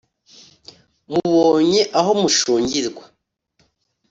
mubonye aho mushungirwa,